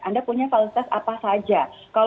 anda punya fasilitas apa saja